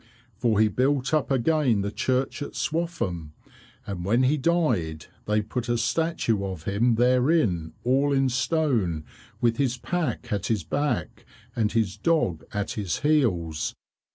For he built up again the church at Swaffham, and when he died they put a statue of him therein all in stone with his pack at his back and his dog at his heels.